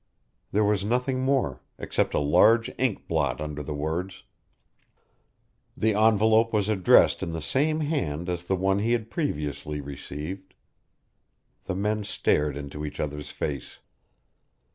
There was nothing more, except a large ink blot under the words. The envelope was addressed in the same hand as the one he had previously received. The men stared into each other's face.